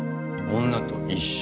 女と一緒。